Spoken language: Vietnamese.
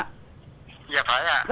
dạ phải ạ